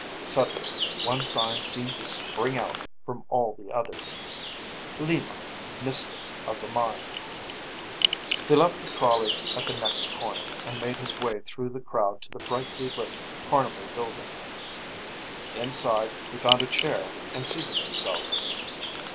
Suddenly one sign seemed to spring out from all the others: LIMA MYSTIC OF THE MIND He left the trolley at the next corner and made his way through the crowd to the brightly lit carnival building. Inside, he found a chair and seated himself.